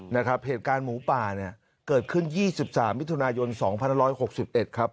นะครับเหตุการณ์หมูป่าเนี่ยเกิดขึ้น๒๓มิถุนายน๒๑๖๑ครับ